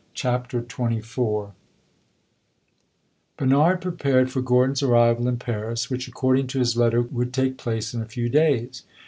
CHAPTER XXIV Bernard prepared for Gordon's arrival in Paris, which, according to his letter, would take place in a few days.